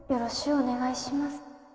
お願いします